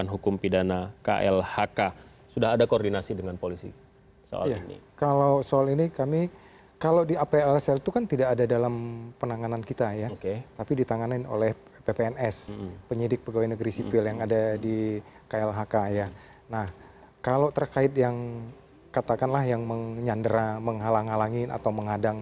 nah kalau terkait yang katakanlah yang menyandera menghalang halangi atau mengadang